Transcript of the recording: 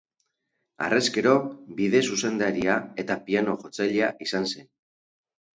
Harrezkero bide-zuzendaria eta piano jotzailea izan zen.